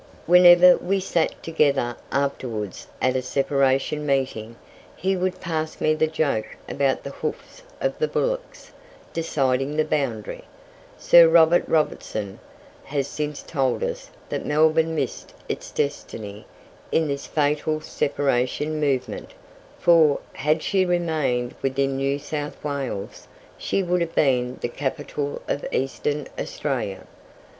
Whenever we sat together afterwards at a separation meeting, he would pass me the joke about the "hoofs of the bullocks" deciding the boundary. Sir John Robertson has since told us that Melbourne missed its destiny in this fatal separation movement, for, had she remained within New South Wales, she would have been the capital of Eastern Australia.